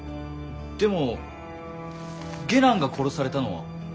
でも下男が殺されたのは？